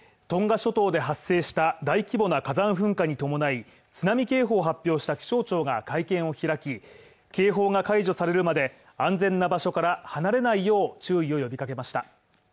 トンガ諸島で発生した大規模な火山噴火に伴い、津波警報を発表した気象庁が会見を開き、警報が解除されるまで安全な場所から離れないよう注意を呼びかけました。